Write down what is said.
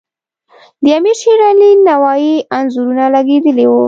د امیر علیشیر نوایي انځورونه لګیدلي وو.